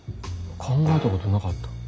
考えたことなかった。